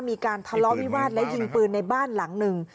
มีการทะเลาะวิวาสและยิงปืนในบ้านหลังหนึ่ง